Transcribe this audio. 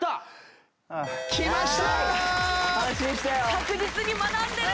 確実に学んでる！